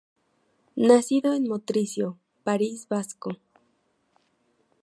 Nacido en Motrico, País Vasco.